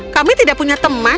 kami tidak punya teman